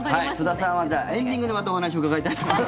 須田さんはエンディングでまたお話を伺いたいと思います。